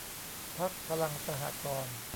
พรรคพลังสหกรณ์